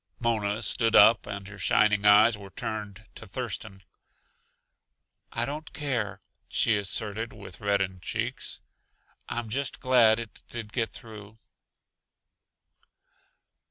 Mona stood up, and her shining eyes were turned to Thurston. "I don't care," she asserted with reddened cheeks. "I'm just glad it did get through."